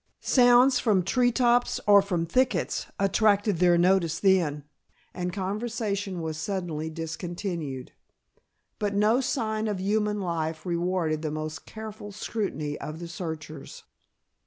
Sounds from treetops or from thickets attracted their notice then, and conversation was suddenly discontinued. But no sign of human life rewarded the most careful scrutiny of the searchers.